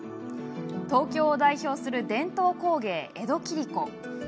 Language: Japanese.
東京を代表する伝統工芸江戸切子。